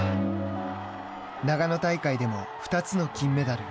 長野大会でも２つの金メダル。